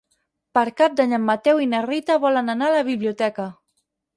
Per Cap d'Any en Mateu i na Rita volen anar a la biblioteca.